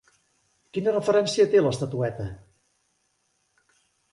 Quina referència té l'estatueta?